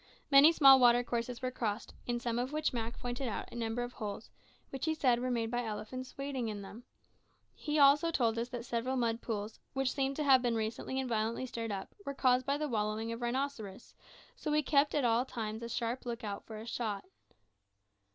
Many small water courses were crossed, in some of which Mak pointed out a number of holes, which he said were made by elephants wading in them. He also told us that several mud pools, which seemed to have been recently and violently stirred up, were caused by the wallowing of the rhinoceros; so we kept at all times a sharp lookout for a shot.